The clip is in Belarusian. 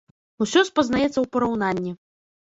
Усё спазнаецца ў параўнанні.